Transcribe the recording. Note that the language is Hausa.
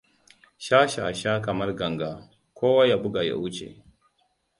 Sha-sha-sha — kamar ganga kowa ya buga ya wuce.